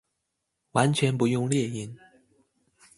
完全不用列印